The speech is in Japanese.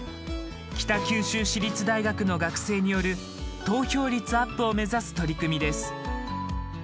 北九州市立大学の学生による投票率アップを目指す取り組みです。